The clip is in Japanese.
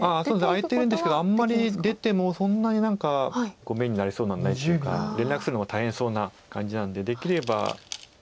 空いてるんですけどあんまり出てもそんなに何か眼になりそうなのはないっていうか連絡するのが大変そうな感じなんでできれば。